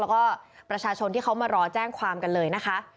แล้วก็ประชาชนที่เขามารอแจ้งความกันเลยนะคะ